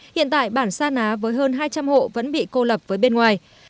hiện tại bản sa ná với hơn hai trăm linh hộ vẫn bị cô lập với bên ngoài